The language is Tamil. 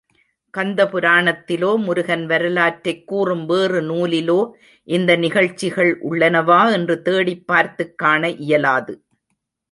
கந்தபுராணத்திலோ முருகன் வரலாற்றைக் கூறும் வேறு நூலிலோ இந்த நிகழ்ச்சிகள் உள்ளனவா என்று தேடிப் பார்த்துக் காண இயலாது.